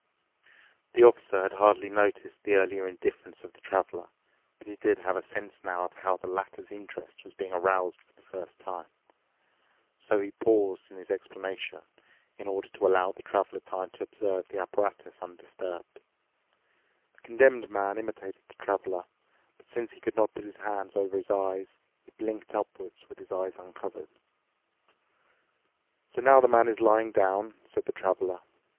The Officer had hardly noticed the earlier indifference of the Traveler, but he did have a sense now of how the latter's interest was being aroused for the first time. So he paused in his explanation in order to allow the Traveler time to observe the apparatus undisturbed. The Condemned Man imitated the Traveler, but since he could not put his hand over his eyes, he blinked upward with his eyes uncovered. "So now the man is lying down," said the Traveler.